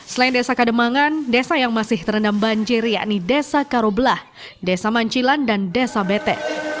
selain desa kademangan desa yang masih terendam banjir yakni desa karobelah desa mancilan dan desa bete